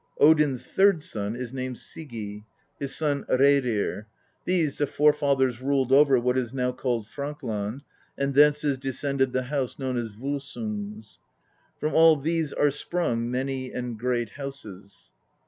Odin's third son is named Sigi, his son Rerir. These the forefathers ruled over what is now called Frankland; and thence is descended the house known as Volsungs. From all these are sprung many and great houses.